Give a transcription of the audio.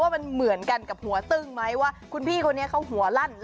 มันเหมือนหัวตึ้งไหมล่ะ